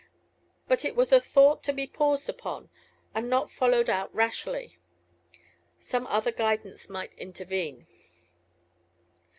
But it was a thought to be paused upon, and not followed out rashly; some other guidance might intervene.